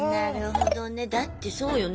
だってそうよね